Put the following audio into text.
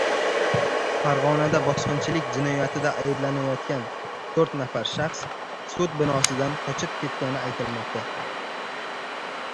Farg‘onada bosqinchlik jinoyatida ayblanayotgan to‘rt nafar shaxs sud binosidan qochib ketgani aytilmoqda.